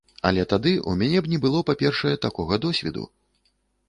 Але тады ў мяне б не было, па-першае, такога досведу.